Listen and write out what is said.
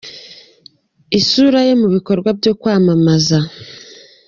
isura ye mu bikorwa byo kwamamaza.